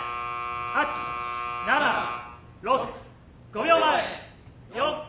８７６５秒前４３。